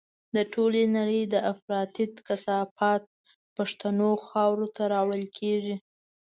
د ټولې نړۍ د افراطيت کثافات پښتنو خاورو ته راوړل کېږي.